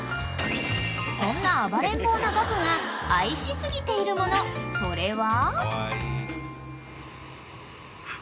［そんな暴れん坊の岳が愛し過ぎているものそれは］